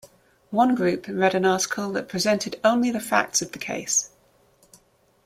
One group read an article that presented only the facts of the case.